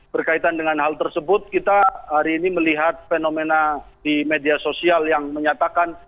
berkaitan dengan hal tersebut kita hari ini melihat fenomena di media sosial yang menyatakan